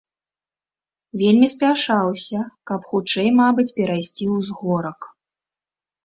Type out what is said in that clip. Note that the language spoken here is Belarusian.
Вельмі спяшаўся, каб хутчэй, мабыць, перайсці ўзгорак.